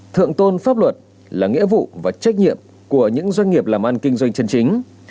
thượng tôn pháp luật là nghĩa vụ và trách nhiệm của những doanh nghiệp làm ăn kinh doanh chân chính